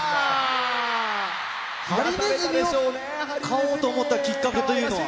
ハリネズミを飼おうと思ったきっかけというのは？